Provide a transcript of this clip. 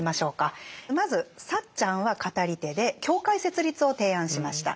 まずサッチャンは語り手で教会設立を提案しました。